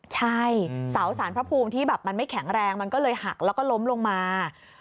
ใช่เสาสารพระภูมิที่แบบมันไม่แข็งแรงมันก็เลยหักแล้วก็ล้มลงมา